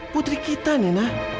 putri kita nena